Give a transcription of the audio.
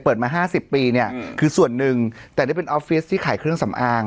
มา๕๐ปีเนี่ยคือส่วนหนึ่งแต่ได้เป็นออฟฟิศที่ขายเครื่องสำอาง